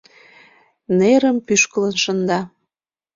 Нерым пӱшкылын шында;